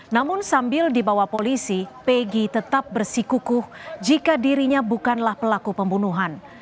namun sambil dibawa polisi pegi tetap bersikukuh jika dirinya bukanlah pelaku pembunuhan